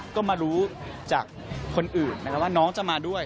ก็มารู้จากคนอื่นนะครับว่าน้องจะมาด้วย